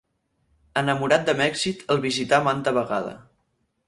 Enamorat de Mèxic, el visità manta vegada.